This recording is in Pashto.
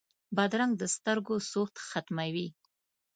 بادرنګ د سترګو سوخت ختموي.